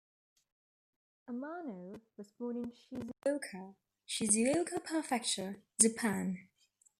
Amano was born in Shizuoka, Shizuoka Prefecture, Japan.